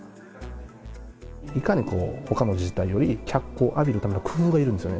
いかにほかの自治体より脚光を浴びるための工夫がいるんですよね。